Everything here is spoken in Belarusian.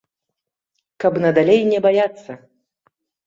Каб надалей не баяцца.